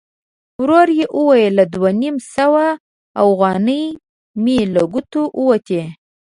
ورو يې وویل: دوه نيم سوه اوغانۍ مې له ګوتو ووتې!